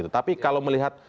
tapi kalau melihat